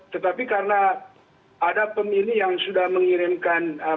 tetapi karena ada pemilih yang sudah mengirimkan